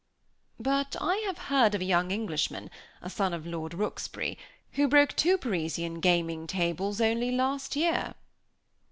"But I have heard of a young Englishman, a son of Lord Rooksbury, who broke two Parisian gaming tables only last year."